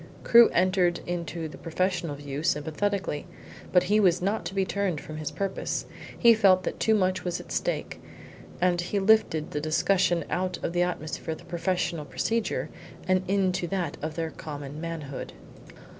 Crewe entered into the professional view sympathetically, but he was not to be turned from his purpose. He felt that too much was at stake, and he lifted the discussion out of the atmosphere of professional procedure into that of their common manhood.